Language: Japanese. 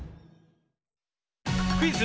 クイズ